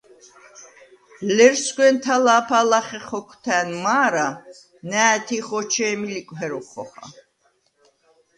ლერსგვენ თა̄ლა̄ფა ლახე ხოქვთა̈ნ მა̄რა, ნა̄̈თი̄ ხოჩე̄მი ლიკვჰე როქვ ხოხა.